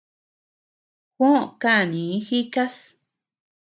Juó kanii jikás.